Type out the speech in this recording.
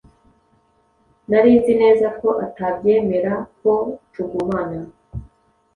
Nari nzi neza ko atabyemera ko tugumana.